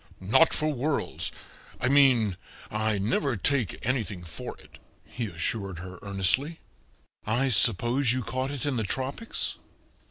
"Not for worlds I mean, I never take anything for it," he assured her earnestly. "I suppose you caught it in the tropics?"